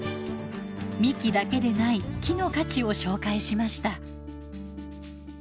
幹だけでない木の価値を紹介しました。